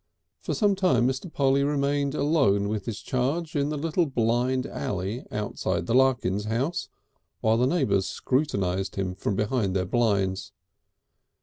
For some time Mr. Polly remained alone with his charge in the little blind alley outside the Larkins' house, while the neighbours scrutinised him from behind their blinds.